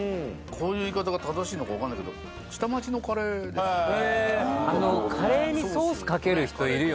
こういう言い方が正しいのか分かんないけど。ということでですね